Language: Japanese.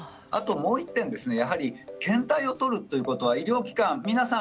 もう１点検体を取るということは医療機関、皆さん